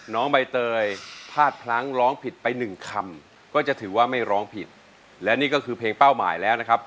น้องใบเตยพลาดพลั้งร้องผิดไปหนึ่งคำก็จะถือว่าไม่ร้องผิดและนี่ก็คือเพลงเป้าหมายแล้วนะครับ